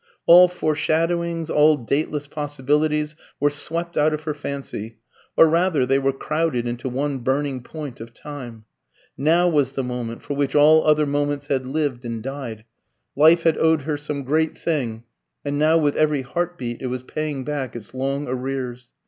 All foreshadowings, all dateless possibilities, were swept out of her fancy; or rather, they were crowded into one burning point of time. Now was the moment for which all other moments had lived and died. Life had owed her some great thing, and now with every heart beat it was paying back its long arrears.